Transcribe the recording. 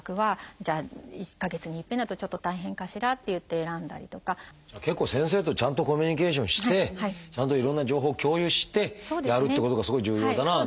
じゃあ結構先生とちゃんとコミュニケーションしてちゃんといろんな情報を共有してやるってことがすごい重要だなという。